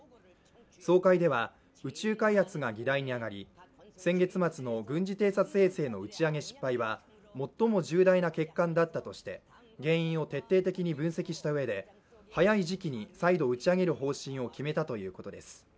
総会では、宇宙開発が議題に上がり先月末の軍事偵察衛星の打ち上げ失敗は、最も重大な欠陥だったとして原因を徹底的に分析したうえで、早い時期に再度打ち上げる方針を決めたということです。